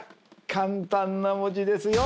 簡単な文字ですよ。